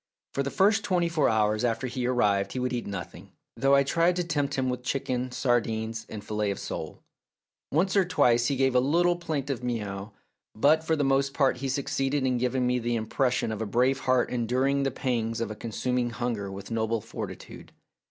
For the first twenty four hours after he arrived he would eat nothing, though I tried to tempt him with chicken, sardines, and fillet of sole. Once or twice he gave a little plaintive mew, but for the most part he succeeded in giving me the impression of a brave heart enduring the pangs of a con suming hunger with noble fortitude.